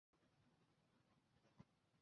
产地为中南美洲。